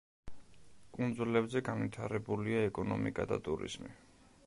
კუნძულებზე განვითარებულია ეკონომიკა და ტურიზმი.